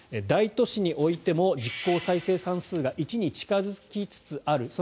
大都市においても実効再生産数が１に近付きつつある。